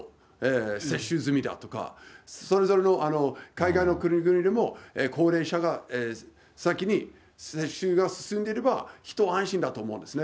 接種済みだとか、それぞれの海外の国々でも、高齢者が先に接種が進んでれば、一安心だと思うんですね。